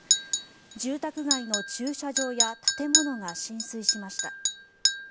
住宅街の駐車場や建物が浸水しました。